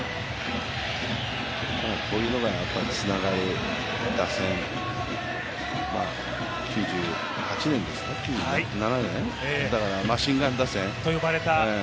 こういうのがつながる打線、９８年、マシンガン打線。